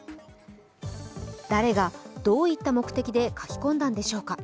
誰がどういった目的で書き込んだんでしょうか。